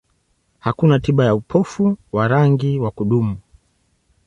Hakuna tiba ya upofu wa rangi wa kudumu.